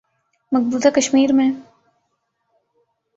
مقبوضہ کشمیر میں